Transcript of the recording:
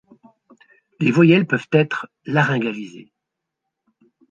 Les voyelles peuvent être laryngalisées.